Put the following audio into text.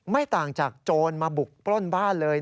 ไม่ต่างจากโจรมาบุกปล้นบ้านเลย